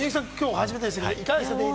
初めてでしたが、いかがでした？